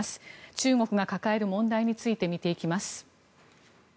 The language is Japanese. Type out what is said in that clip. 中国が抱える問題について見ていきます。